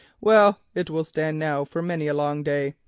Well, they will stand now for many a long day.